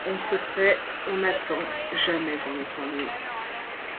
On se tait, on attend, jamais on ne s’ennuie